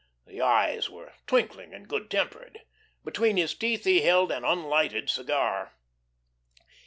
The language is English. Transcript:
The eyes were twinkling and good tempered. Between his teeth he held an unlighted cigar.